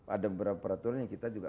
ada beberapa peraturan yang kita juga